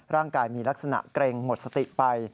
ร่างกายมีลักษณะเกร็งหมดสติไป